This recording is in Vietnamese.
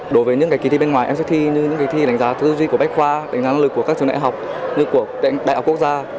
đối với những cái kỳ thi bên ngoài em sẽ thi như những cái thi đánh giá thư gii của bách khoa đánh giá năng lực của các trường đại học như của đại học quốc gia